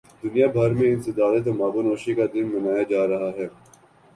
دنیا بھر میں انسداد تمباکو نوشی کا دن منایا جارہاہے